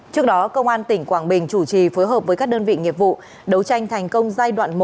trước đó công an tỉnh quảng bình chủ trì phối hợp với các đơn vị nghiệp vụ đấu tranh thành công giai đoạn một